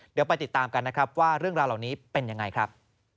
เดี๋ยวไปติดตามกันนะครับว่าเรื่องราวเหล่านี้เป็นยังไงครับ